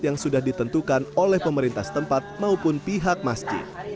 yang sudah ditentukan oleh pemerintah setempat maupun pihak masjid